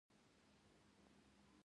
او د هغه پر چاپېر یوې لازمي